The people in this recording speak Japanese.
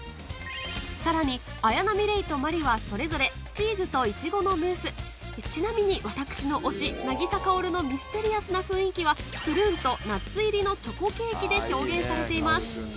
さらに綾波レイとマリはそれぞれチーズといちごのムースちなみに私の推し渚カヲルのミステリアスな雰囲気はプルーンとナッツ入りのチョコケーキで表現されています